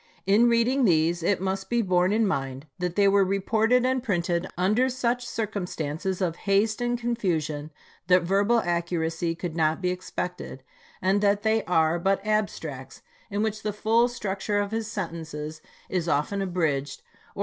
In reading these it must be borne in mind that they were reported and printed under such circumstances of haste and con fusion that verbal accuracy could not be expected, and that they are but abstracts, in which the full SPRINGFIELD TO WASHINGTON 293 structure of his sentences is often abridged or chap.